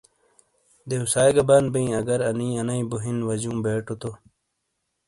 دیوسائی گہ بند بیئں اگر انی انئیی بو ہین واجیوں بیٹو تو۔